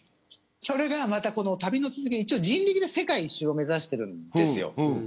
それが旅の続きで、人力で世界一周を目指してるんですよ。